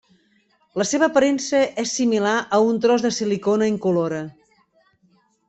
La seva aparença és similar a un tros de silicona incolora.